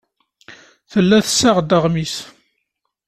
Tella tessaɣ-d aɣmis.